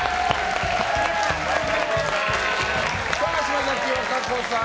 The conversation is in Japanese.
島崎和歌子さん